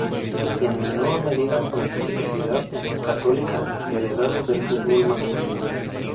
Y en menor medida con Universidad Católica, heredado del fútbol masculino.